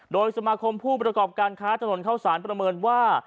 โดยสมาคมผู้ประกอบการค้าถนนเข้าสารประเมินว่า